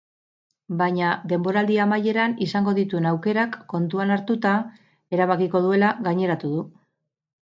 Baina denboraldi amaieran izango dituen aukerak kontuan hartuta erabakiko duela gaineratu du.